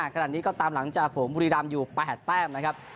ขนาดนี้ก็ตามหลังจากฝวงบุรีรามอยู่ประหัสแต้มนะครับ